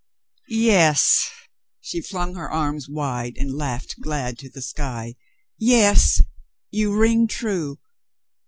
"Yes!" She flung her arms wide and laughed glad to the sky. "Yes, you ring true.